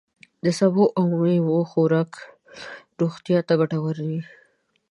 د سبوو او میوو خوراک روغتیا ته ګتور وي.